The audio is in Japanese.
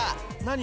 何？